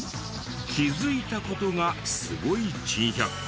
気づいた事がすごい珍百景。